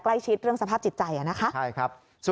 ใกล้ชิดเรื่องสภาพจิตใจนะคะ